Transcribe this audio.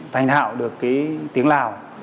thành hạo được cái tiếng lào